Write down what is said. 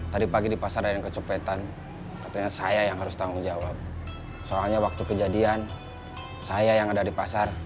tadi pagi di pasar ada yang kecepetan katanya saya yang harus tanggung jawab soalnya waktu kejadian saya yang ada di pasar